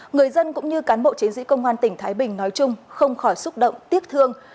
người dân cũng như cán bộ chiến sĩ công an tỉnh thái bình nói chung không khỏi xúc động tiếc thương